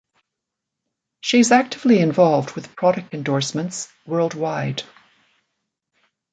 She is actively involved with product endorsements worldwide.